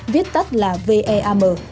viết tắt là veam